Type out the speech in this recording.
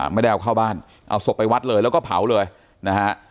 ไม่ได้เอาเข้าบ้านเอาศพไปวัดเลยแล้วก็เผาเลยนะฮะ